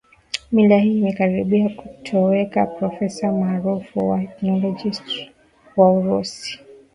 mila hii imekaribia kutoweka Profesa maarufu wa ethnologist wa Urusi